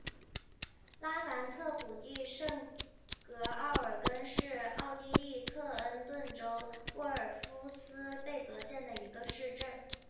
拉凡特谷地圣格奥尔根是奥地利克恩顿州沃尔夫斯贝格县的一个市镇。